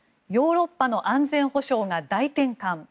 ヨーロッパの安全保障が大転換。